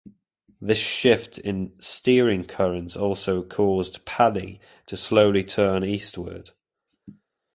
This shift in steering currents also caused Pali to slowly turn eastward.